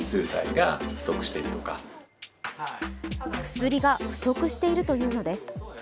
薬が不足しているというのです。